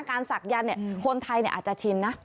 การศักดิ์ยันคนไทยอาจจะชินนะ